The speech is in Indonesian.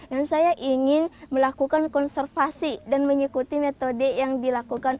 dan saya ingin melakukan konservasi dan mengikuti metode yang dilakukan